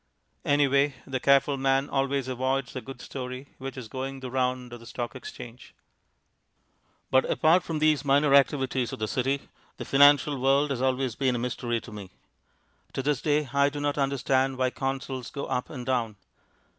Anyway, the careful man always avoids a good story which is going the round of the Stock Exchange. But apart from these minor activities of the City, the financial world has always been a mystery to me. To this day I do not understand why Consols go up and down.